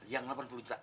yang delapan puluh juta